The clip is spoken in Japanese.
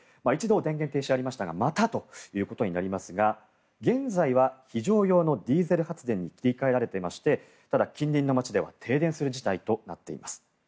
一度、電源停止ありましたがまたということになりますが現在は非常用のディーゼル発電に切り替えられていましてただ、近隣の街では停電する事態となっています。